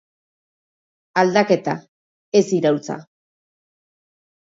Aldaketa, ez iraultza.